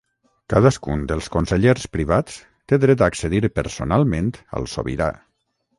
Cadascun dels Consellers Privats té dret a accedir personalment al Sobirà.